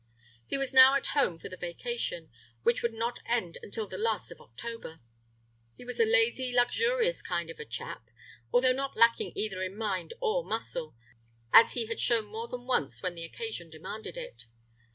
He was now at home for the vacation, which would not end until the last of October. He was a lazy, luxurious kind of a chap, although not lacking either in mind or muscle, as he had shown more than once when the occasion demanded it.